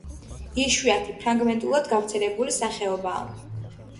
იშვიათი, ფრაგმენტულად გავრცელებული სახეობაა.